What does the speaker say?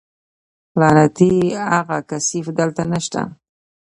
لعنتي اغه کثيف دلته نشته.